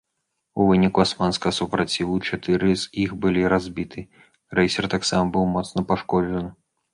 У выніку асманскага супраціву чатыры з іх былі разбіты, крэйсер таксама быў моцна пашкоджаны.